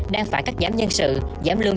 đang phải cắt giảm nhân sự giảm lương